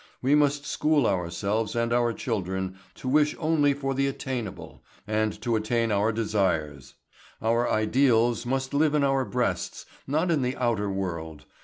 We must school ourselves and our children to wish only for the attainable and to attain our desires. Our ideals must live in our breasts, not in the outer world.